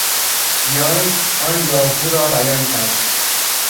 یانگ آن یاهو را بیان کرد!